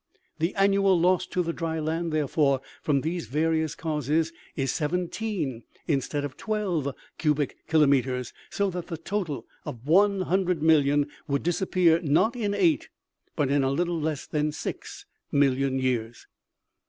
The annual loss to the dry land, therefore, from these various causes, is seventeen instead of twelve cubic kilometers ; so that the total of 100,000,000 would disap pear, not in eight, but in a little less than six million years.